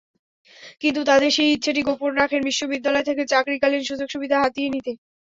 কিন্তু তাঁদের সেই ইচ্ছাটি গোপন রাখেন বিশ্ববিদ্যালয় থেকে চাকরিকালীন সুযোগ-সুবিধা হাতিয়ে নিতে।